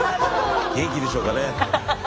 元気でしょうかね。